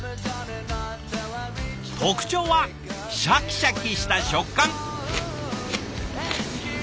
特徴はシャキシャキした食感！